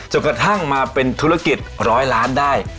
กระทั่งมาเป็นธุรกิจร้อยล้านได้